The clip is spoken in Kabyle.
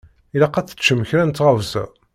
Ilaq ad teččem kra n tɣawsa.